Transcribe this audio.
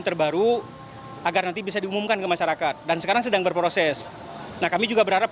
terbaru agar nanti bisa diumumkan ke masyarakat dan sekarang sedang berproses nah kami juga berharap